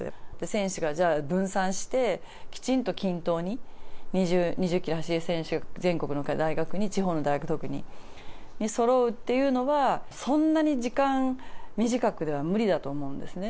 選手が、じゃあ分散して、きちんと均等に２０キロ走れる選手が全国の大学に、地方の大学とかにそろうっていうのは、そんなに時間短くでは無理だと思うんですね。